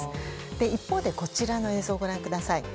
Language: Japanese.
一方で、こちらの映像ご覧ください。